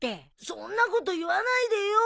そんなこと言わないでよ。